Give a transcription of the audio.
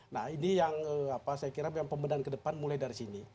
nah ini yang saya kira pembenahan ke depan mulai dari sini